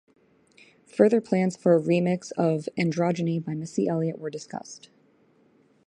Further plans for a remix of "Androgyny" by Missy Elliott were discussed.